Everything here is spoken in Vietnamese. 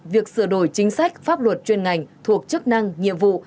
việc sửa đổi chính sách pháp luật chuyên ngành thuộc chức năng nhiệm vụ